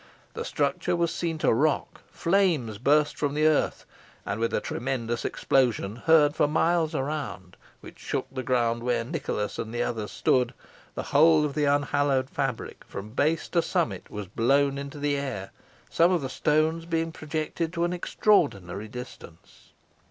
The structure was seen to rock flames burst from the earth and with a tremendous explosion heard for miles ground, and which shook the ground even where Nicholas and the others stood, the whole of the unhallowed fabric, from base to summit, was blown into the air, some of the stones being projected to an extraordinary distance.